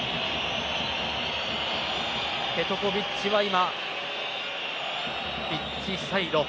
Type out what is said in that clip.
ペトコヴィッチは今ピッチサイド。